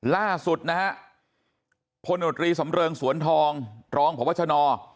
ล่าสุดนะฮะพลโนตรีสำเริงสวนทองรองพบชน